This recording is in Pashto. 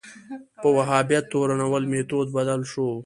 په وهابیت تورنول میتود بدل شو